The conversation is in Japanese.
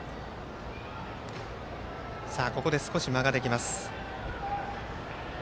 ここで少し間ができました。